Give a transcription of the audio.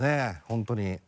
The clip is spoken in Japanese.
本当に。